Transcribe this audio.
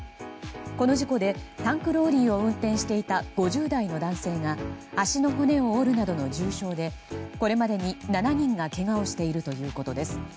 この事故でタンクローリーを運転していた５０代の男性が足の骨を折るなどの重傷でこれまでに７人がけがをしているということです。